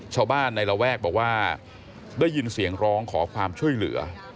ชาวบ้านในระแวกบอกว่าได้ยินเสียงร้องขอความช่วยเหลือ